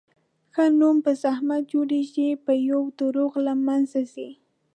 ښه نوم په زحمت جوړېږي، په یوه دروغ له منځه ځي.